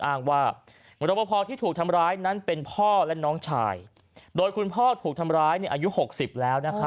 อ้างว่ารบพอที่ถูกทำร้ายนั้นเป็นพ่อและน้องชายโดยคุณพ่อถูกทำร้ายในอายุ๖๐แล้ว